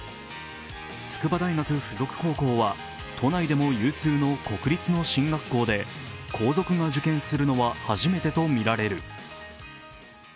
筑波大学附属高校は都内でも有数の進学校で皇族が受験するのは初めてとみられる。